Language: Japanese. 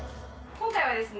今回はですね